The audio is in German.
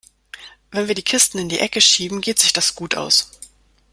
Wenn wir die Kisten in die Ecke schieben, geht sich das gut aus.